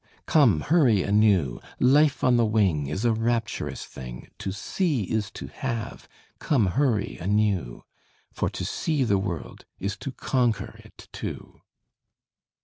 Come, hurry anew! Life on the wing Is a rapturous thing. To see is to have. Come, hurry anew! For to see the world is to conquer it too.